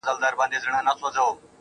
ته دي ټپه په اله زار پيل کړه.